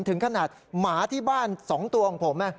ถึงขนาดหมาที่บ้าน๒ตัวของผม